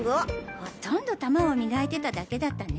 ほとんどたまを磨いてただけだったね。